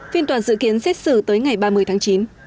phiên toàn dự kiến xét xử tới ngày ba mươi tháng chín